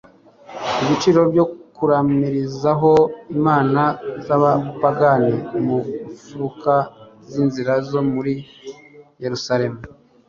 ibicaniro byo kuramirizaho imana z'abapagani mu mfuruka z'inzira zo muri yerusalemu